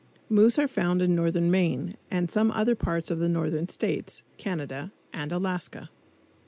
Moose are found in northern Maine, and some other parts of the Northern States, Canada and Alaska.